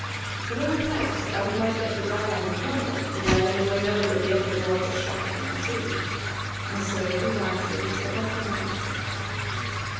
But Old Pipes thought he might get the Dryad in trouble if he let any one know that the Echo dwarf was shut up in the tree, and so he wisely said nothing about it.